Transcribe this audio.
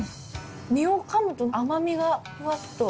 身を噛むと甘みがフワっと。